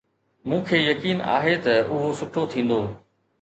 مون کي يقين آهي ته اهو سٺو ٿيندو.